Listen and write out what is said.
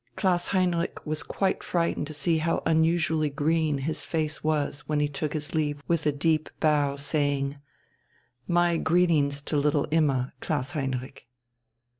Klaus Heinrich was quite frightened to see how unusually green his face was when he took his leave with a deep bow, saying: "My greetings to little Imma, Klaus Heinrich."